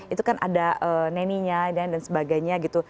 itu kan ada neneknya dan sebagainya